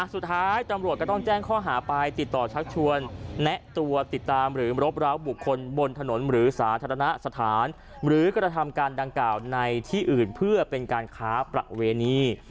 สุดท้ายตำรวจก็ต้องแจ้งข้อหาไปติดต่อชักชวนแนะตัวติดตามหรือรบร้าวบุคคลบนถนนหรือสาธารณสถานหรือกระทำการดังกล่าวในที่อื่นเพื่อเป็นการค้าประเวณี